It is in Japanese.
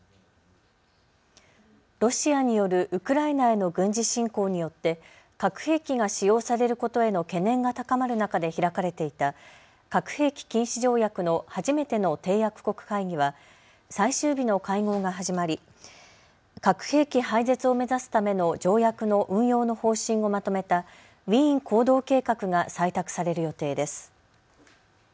ロシアによるウクライナへの軍事侵攻によって核兵器が使用されることへの懸念が高まる中で開かれていた核兵器禁止条約の初めての締約国会議は最終日の会合が始まり核兵器廃絶を目指すための条約の運用の方針をまとめたウィーン行動計画が採択される予定です。